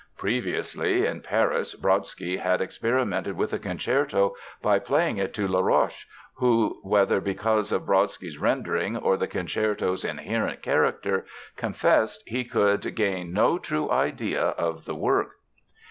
Previously, in Paris, Brodsky had experimented with the concerto by playing it to Laroche, who, whether because of Brodsky's rendering or the concerto's inherent character, confessed "he could gain no true idea of the work."